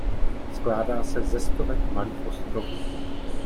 Skládá se ze stovek malých ostrovů.